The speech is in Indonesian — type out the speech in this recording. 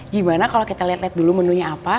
gimana kalau kita liat liat dulu menunya apa